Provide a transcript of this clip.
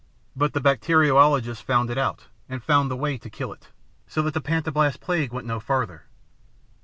But the bacteriologists found it out, and found the way to kill it, so that the Pantoblast Plague went no farther.